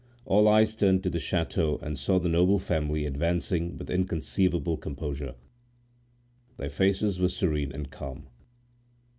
All eyes turned to the chateau and saw the noble family advancing with inconceivable composure. Their faces were serene and calm.